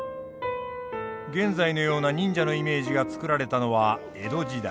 現在のような忍者のイメージが作られたのは江戸時代。